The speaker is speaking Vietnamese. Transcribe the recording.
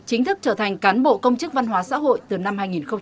hình thức trở thành cán bộ công chức văn hóa xã hội từ năm hai nghìn một mươi chín